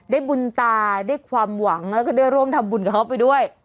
บุญตาได้ความหวังแล้วก็ได้ร่วมทำบุญกับเขาไปด้วย